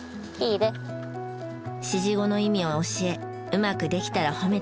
指示語の意味を教えうまくできたら褒めてあげる。